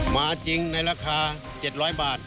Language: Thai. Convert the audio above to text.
มาจริงในราคา๗๐๐บาท